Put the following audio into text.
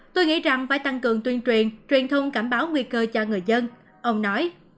tôi nghĩ rằng phải tăng cường tuyên truyền truyền thông cảnh báo nguy cơ cho người dân ông nói